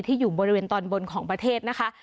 อยู่บริเวณตอนบนของประเทศนะคะ